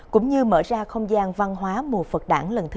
cũng như mở ra không gian văn hóa mùa phật đảng lần thứ hai sáu trăm bốn mươi bảy